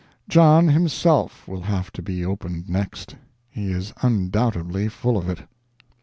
John himself will have to be opened next—he is undoubtedly full of it.